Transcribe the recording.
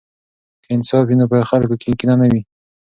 که انصاف وي نو په خلکو کې کینه نه وي.